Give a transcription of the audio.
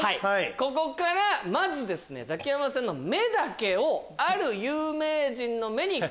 ここからまずザキヤマさんの目だけをある有名人の目に交換。